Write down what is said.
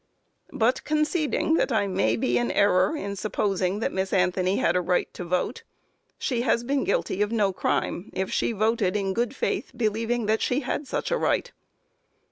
But conceding that I may be in error in supposing that Miss Anthony had a right to vote, she has been guilty of no crime, if she voted in good faith believing that she had such right.